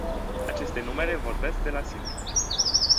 Aceste numere vorbesc de la sine.